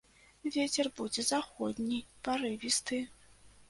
Вецер будзе заходні, парывісты.